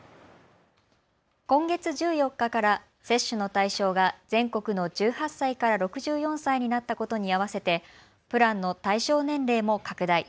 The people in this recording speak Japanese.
今月１４日から接種の対象が全国の１８歳から６４歳になったことに合わせてプランの対象年齢も拡大。